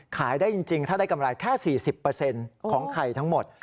ได้จริงถ้าได้กำไรแค่๔๐ของไข่ทั้งหมด